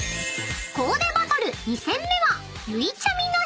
［コーデバトル２戦目は］